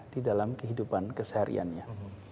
di dalam kehidupan kesehariannya